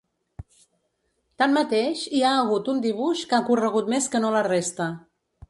Tanmateix, hi ha hagut un dibuix que ha corregut més que no la resta.